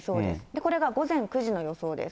これが午前９時の予想です。